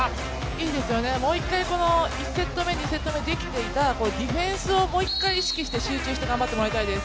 いいですよね、もう一回、１セット目、２セット目にできていたディフェンスをもう一回意識して、集中して頑張ってもらいたいです。